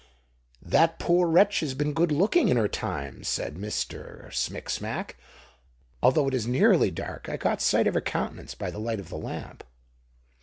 "That poor wretch has been good looking in her time," said Mr. Smicksmack. "Although it is nearly dark, I caught sight of her countenance by the light of the lamp."